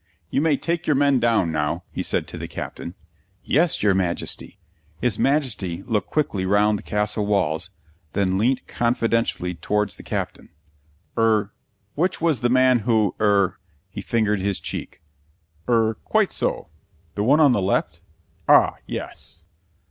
"You may take your men down now," he said to the Captain. "Yes, your Majesty." His Majesty looked quickly round the castle walls, and then leant confidentially towards the Captain. "Er which was the man who er" he fingered his cheek "er quite so. The one on the left? Ah, yes."